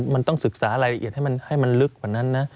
มันต้องศึกษารายละเอียดให้มันลึกกว่านั้นนะ